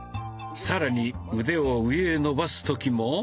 更に腕を上へ伸ばす時も。